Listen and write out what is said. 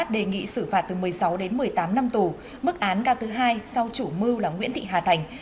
đề nghị xử phạt từ một mươi sáu đến một mươi tám năm tù mức án ca thứ hai sau chủ mưu là nguyễn thị hà thành